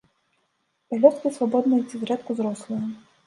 Пялёсткі свабодныя ці зрэдку зрослыя.